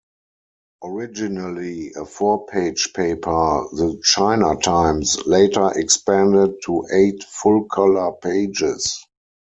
Originally a four-page paper, the "China Times" later expanded to eight full-colour pages.